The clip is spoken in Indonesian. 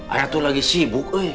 ayah tuh lagi sibuk